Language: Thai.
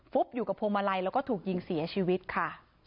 อยู่กับพวงมาลัยแล้วก็ถูกยิงเสียชีวิตค่ะ